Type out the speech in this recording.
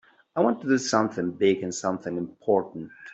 I want to do something big and something important.